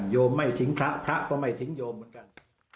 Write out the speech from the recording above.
โยมไม่ทิ้งพระพระก็ไม่ทิ้งโยมเหมือนกัน